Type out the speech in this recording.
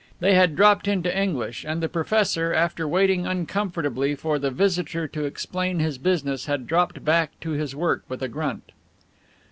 They had dropped into English and the professor after waiting uncomfortably for the visitor to explain his business had dropped back to his work with a grunt.